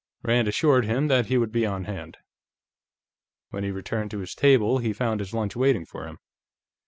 Rand assured him that he would be on hand. When he returned to his table, he found his lunch waiting for him.